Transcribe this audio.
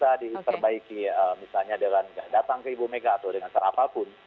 bisa diperbaiki misalnya dengan datang ke ibu mega atau dengan cara apapun